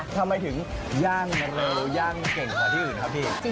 ทำไมถึงย่างแมงเร็วย่างเก่งกว่าที่อื่นครับพี่